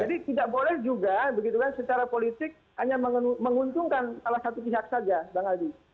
jadi tidak boleh juga begitu kan secara politik hanya menguntungkan salah satu pihak saja bang aldi